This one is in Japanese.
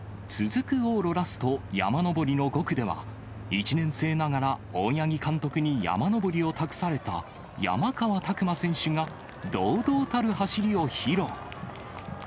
続く往路ラスト、山上りの５区では１年生ながら、大八木監督に山上りを託された山川拓馬選手が堂々たる走りを披露。